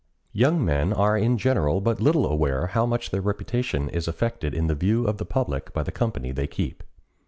Young men are in general but little aware how much their reputation is affected in the view of the public by the company they keep.